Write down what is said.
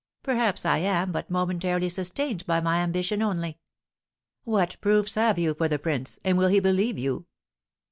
Perhaps I am but momentarily sustained by my ambition only." "What proofs have you for the prince, and will he believe you?"